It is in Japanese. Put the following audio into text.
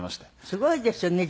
すごいですよね。